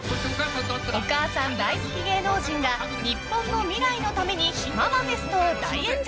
お母さん大好き芸能人が日本の未来のためにママフェストを大演説！